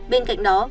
bên cạnh đó